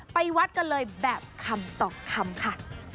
ไปวัดกันเลยแบบคำต่อคำค่ะ